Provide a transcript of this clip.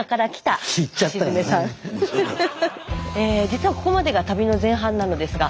実はここまでが旅の前半なのですが。